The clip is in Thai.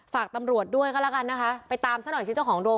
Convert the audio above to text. ฝากตำรวจด้วยก็แล้วกันนะคะไปตามซะหน่อยสิเจ้าของโร